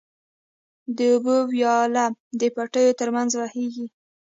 د اوبو وياله د پټيو تر منځ بهيږي.